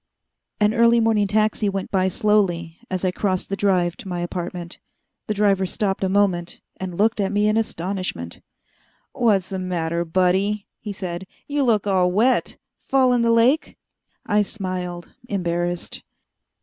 An early morning taxi went by slowly as I crossed the Drive to my apartment. The driver stopped a moment, and looked at me in astonishment. "What's the matter, buddy," he said, "you look all wet. Fall in the lake?" I smiled, embarrassed.